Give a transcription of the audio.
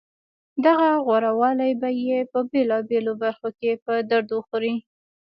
دغه غورهوالی به یې په بېلابېلو برخو کې په درد وخوري